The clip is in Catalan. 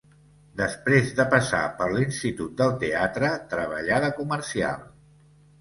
Després de passar per l'Institut del Teatre treballà de comercial.